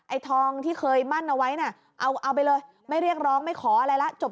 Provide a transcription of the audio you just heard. ทองที่เคยมั่นเอาไว้น่ะเอาไปเลยไม่เรียกร้องไม่ขออะไรละจบ